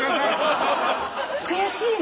悔しいな。